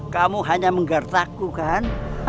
kamu hanya menggertaku kan